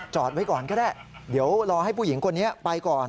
ไว้ก่อนก็ได้เดี๋ยวรอให้ผู้หญิงคนนี้ไปก่อน